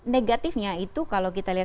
negatifnya itu kalau kita lihat